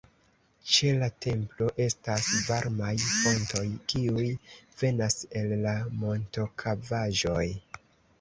Ĉe la templo estas varmaj fontoj kiuj venas el la montokavaĵoj.